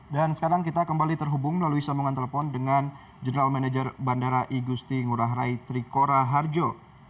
dan sekarang kita kembali terhubung melalui sambungan telepon dengan general manager bandara igusti ngurah rai trikora harjo